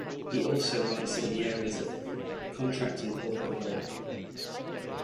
He also writes in the areas of contract and corporate law.